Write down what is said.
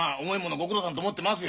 ご苦労さんと思ってますよ